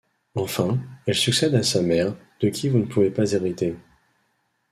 Enfin, elle succède à sa mère, de qui vous ne pouvez pas hériter.